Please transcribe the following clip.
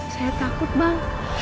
saya takut bang